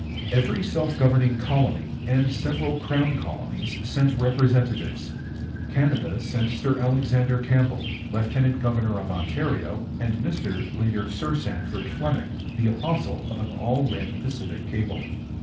Every self governing colony and several crown colonies sent representatives. Canada sent Sir Alexander Campbell, lieutenant governor of Ontario, and Mr, later Sir Sandford, Fleming, the apostle of an All Red Pacific cable.